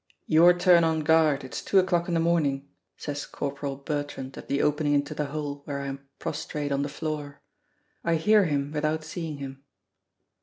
"Your turn on guard it's two o'clock in the morning," says Corporal Bertrand at the opening into the hole where I am prostrate on the floor. I hear him without seeing him.